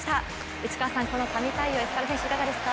内川さん、この神対応いかがですか。